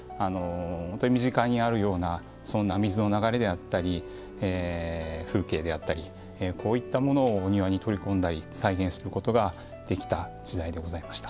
本当に身近にあるようなそんな水の流れであったり風景であったりこういったものをお庭に取り込んだり再現することができた時代でございました。